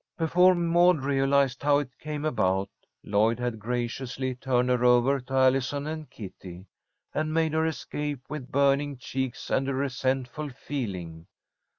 Before Maud realized how it came about, Lloyd had graciously turned her over to Allison and Kitty, and made her escape with burning cheeks and a resentful feeling.